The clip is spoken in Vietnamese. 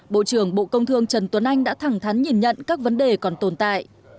bộ trưởng bộ công thương trần tuấn anh đã thẳng thắn nhìn nhận các vấn đề còn tồn tại